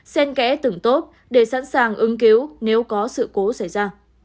xen kẽ tưởng tốt để sẵn sàng ứng cứu nếu có sự cố xảy ra